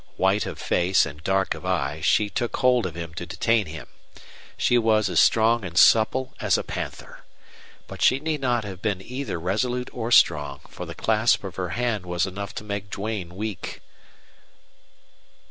White of face and dark of eye, she took hold of him to detain him. She was as strong and supple as a panther. But she need not have been either resolute or strong, for the clasp of her hand was enough to make Duane weak.